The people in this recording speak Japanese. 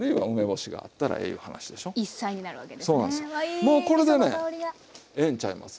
もうこれでねええんちゃいます？